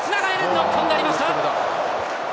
ノックオンになりました。